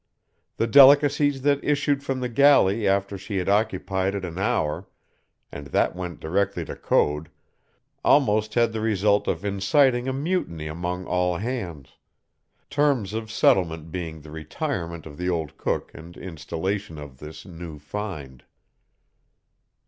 The delicacies that issued from the galley after she had occupied it an hour, and that went directly to Code, almost had the result of inciting a mutiny among all hands; terms of settlement being the retirement of the old cook and installation of this new find.